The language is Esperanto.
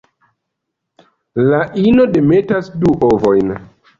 La ino demetas du ovojn.